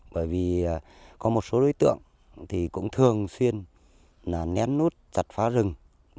bởi vì có một số đối tượng thì cũng thường xuyên ném nút chặt phá rừng